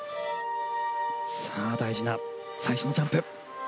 大事な最初のジャンプ。